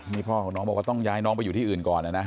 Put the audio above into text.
นี่พ่อของน้องบอกว่าต้องย้ายน้องไปอยู่ที่อื่นก่อนนะนะ